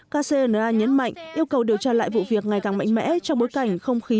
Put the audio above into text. kcna nhấn mạnh yêu cầu điều tra lại vụ việc ngày càng mạnh mẽ trong bối cảnh không khí